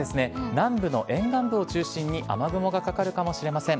南部の沿岸部を中心に、雨雲がかかるかもしれません。